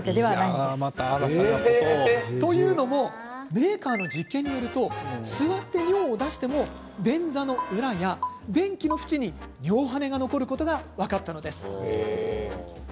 メーカーの実験によると座って尿を出しても便座の裏や便器の縁に尿ハネが残ることが分かったのです。